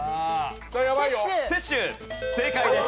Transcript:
正解です。